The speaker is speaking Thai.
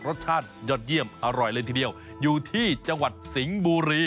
รสชาติยอดเยี่ยมอร่อยเลยทีเดียวอยู่ที่จังหวัดสิงห์บุรี